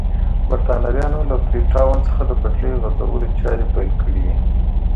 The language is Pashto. برېټانویانو له فري ټاون څخه د پټلۍ غځولو چارې پیل کړې وې.